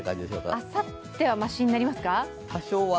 あさってはましになりますか？